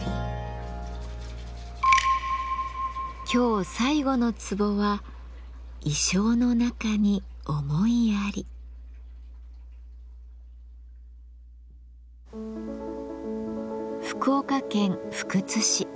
今日最後のツボは福岡県福津市。